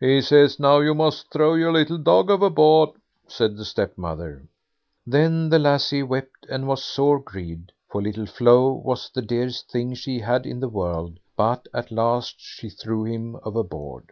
"He says now you must throw your little dog overboard", said the stepmother. Then the lassie wept and was sore grieved, for Little Flo was the dearest thing she had in the world, but at last she threw him overboard.